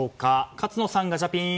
勝野さん、ガチャピン。